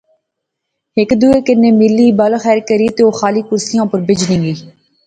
ہیک دوئے کنے ملی، بل خیر کری تے او خالی کرسئِں اوپر بیجی گئے